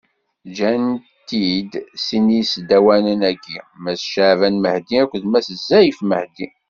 Gan-t-id sin yisdawanen-agi: Mass Caɛban Mahdi akked Mass Zayef Mahdi.